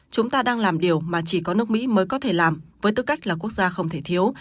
chúng ta đang làm điều mà chỉ có nước mỹ mới có thể làm với tư cách là quốc gia không thể thiếu